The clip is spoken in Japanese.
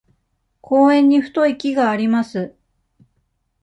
公園に太い木があります。